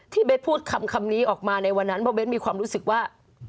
ที่เบสพูดคำนี้ออกมาในวันนั้นเบสมีความรู้สึกว่า